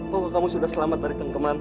bahwa kamu sudah selamat dari tengkeman